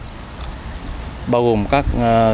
bao gồm các nhà thầu gửi kế hoạch triển khai xuyên tết